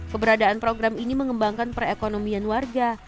keberadaan program ini mengembangkan perekonomian warga